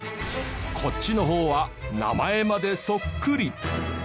こっちの方は名前までそっくり。